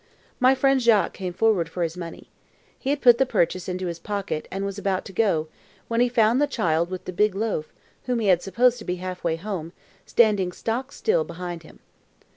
My friend Jacques came forward for his money. He had put his purchase into his pocket, and was about to go, when he found the child with the big loaf, whom he had supposed to be half way home, standing stock still behind him.